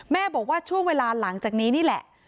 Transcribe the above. บอกว่าช่วงเวลาหลังจากนี้นี่แหละ